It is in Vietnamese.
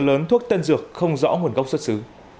lớn thuốc tân dược không rõ nguồn gốc xuất xứ